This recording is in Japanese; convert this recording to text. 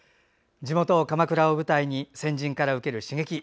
地元・鎌倉を舞台に先人から受ける刺激。